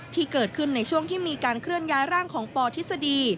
ที่เกิดขึ้นในช่วงที่มีการเคลื่อนย้ายร่างของปทฤษฎี